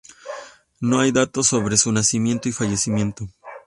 No hay datos sobre su nacimiento y fallecimiento.